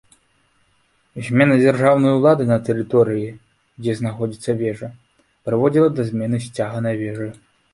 Змена дзяржаўнай улады на тэрыторыі, дзе знаходзіцца вежа, прыводзіла да змены сцяга на вежы.